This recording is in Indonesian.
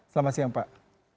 selamat siang pak